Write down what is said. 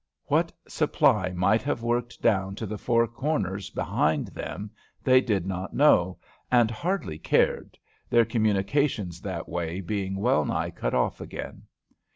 What supply might have worked down to the Four Corners behind them, they did not know and hardly cared, their communications that way being well nigh cut off again.